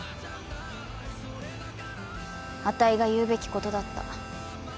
あたいが言うべきことだった。